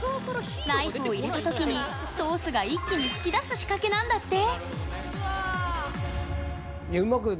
ナイフを入れた時にソースが一気に噴き出す仕掛けなんだって。